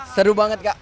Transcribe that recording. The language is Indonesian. seru banget kak